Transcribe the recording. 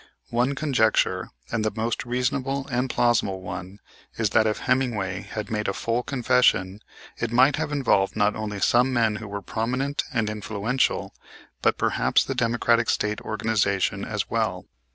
One conjecture, and the most reasonable and plausible one, is that if Hemmingway had made a full confession it might have involved not only some men who were prominent and influential, but perhaps the Democratic State organization as well.